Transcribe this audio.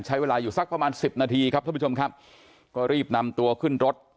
ใช้เวลาอยู่สักประมาณสิบนาทีครับท่านผู้ชมครับก็รีบนำตัวขึ้นรถ